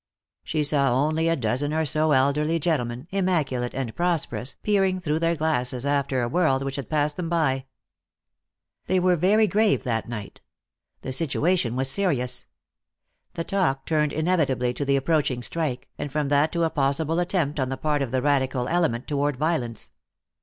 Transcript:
She saw only a dozen or so elderly gentlemen, immaculate and prosperous, peering through their glasses after a world which had passed them by. They were very grave that night. The situation was serious. The talk turned inevitably to the approaching strike, and from that to a possible attempt on the part of the radical element toward violence.